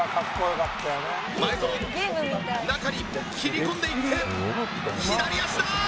前園中に切り込んでいって左足だー！